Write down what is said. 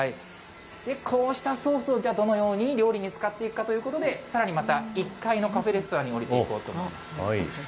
こうしたソースを、じゃあ、どのように料理に使っていくかということで、さらにまた、１階のカフェレストランに下りていこうと思います。